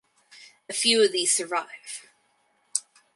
A few of these survive.